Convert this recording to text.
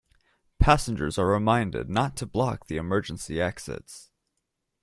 Passengers are reminded not to block the emergency exits.